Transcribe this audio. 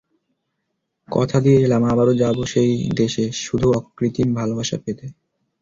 কথা দিয়ে এলাম, আবারো যাব সেই দেশে, শুধুই অকৃত্রিম ভালোবাসা পেতে।